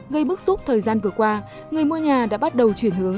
gây bức xúc thời gian vừa qua người mua nhà đã bắt đầu chuyển hướng